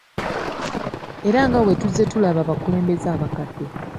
Era nga bwe tuzze tulaba abakulembeze abakadde.